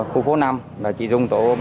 khu phố năm chị dung tổ bốn